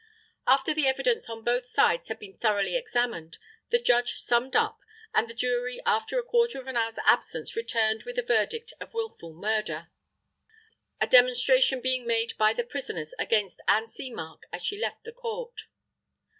After the evidence on both sides had been thoroughly examined, the judge summed up, and the jury after a quarter of an hour's absence returned with a verdict of wilful murder; a demonstration being made by the prisoners against Ann Seamark as she left the Court.